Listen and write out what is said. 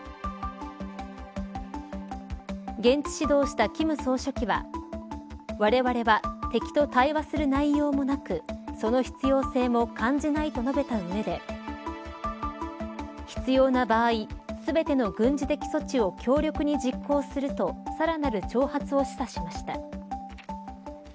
現地指導した金総書記はわれわれは敵と対話する内容もなくその必要性も感じないと述べた上で必要な場合全ての軍事的措置を強力的に実行するとさらなる挑発を示唆しました。